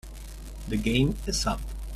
The game is up